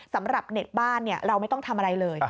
สำหรับเน็ตบ้านเราไม่ต้องทำอะไรเลย